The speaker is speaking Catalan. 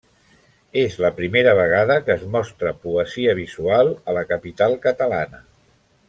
És la primera vegada que es mostra poesia visual a la capital catalana.